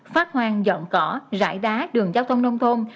phát hoàng dọn cỏ rải đá đường giao thông nông thôn